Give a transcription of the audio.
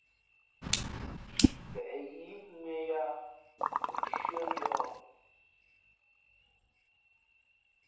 Peʼ yǐ mʉ̄ᾱ yāā tα nshʉ́ά yǒh.